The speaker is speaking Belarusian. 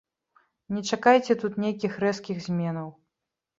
Не чакайце тут нейкіх рэзкіх зменаў.